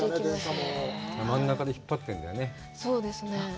真ん中で引っ張ってるんだよね。